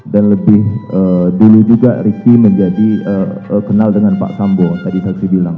dan lebih dulu juga riki menjadi kenal dengan pak sambo tadi saksi bilang